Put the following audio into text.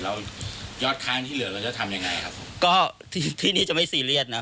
แล้วยอดค้างที่เหลือเราจะทำยังไงครับก็ที่ที่นี้จะไม่ซีเรียสนะ